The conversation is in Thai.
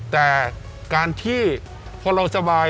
แต่การที่พอเราสบาย